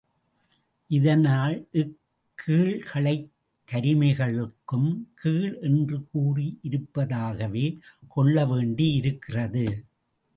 இதனால் இக் கீழ்களைக் கருமிகளுக்கும் கீழ் என்று கூறியிருப்பதாகவே கொள்ளவேண்டியிருக்கிறது.